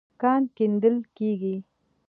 کان کيندل کېږي.